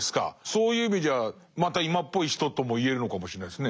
そういう意味じゃまた今っぽい人とも言えるのかもしれないですね。